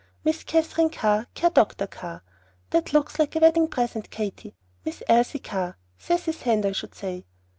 Miss Katherine Carr, care Dr. Carr. That looks like a wedding present, Katy. Miss Elsie Carr; Cecy's hand, I should say.